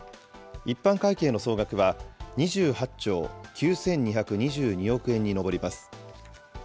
一般会計の総額は２８兆９２２２億円に上ります。